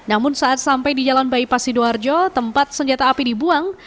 namun saat sampai di jalan bypass sidoarjo tempat senjata api dibuang